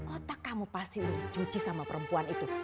otak kamu pasti udah cuci sama perempuan itu